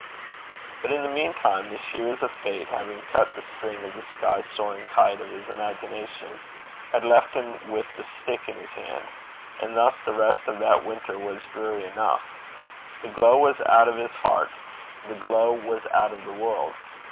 But, in the meantime, the shears of Fate having cut the string of the sky soaring kite of his imagination, had left him with the stick in his hand. And thus the rest of that winter was dreary enough. The glow was out of his heart; the glow was out of the world.